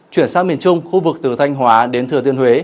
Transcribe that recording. chuyển sang miền trung khu vực từ thanh hóa đến thừa tiên huế